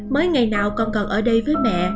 mới ngày nào con còn ở đây với mẹ